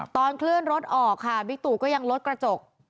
ตอนเคลื่อนรถออกค่ะบิ๊กตูก็ยังลดกระจก